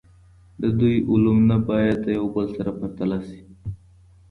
د دوی علوم نه باید د یو بل سره پرتله سي.